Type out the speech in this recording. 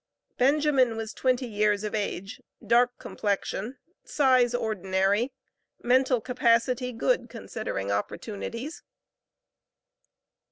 Benjamin was twenty years of age, dark complexion, size ordinary, mental capacity, good considering opportunities.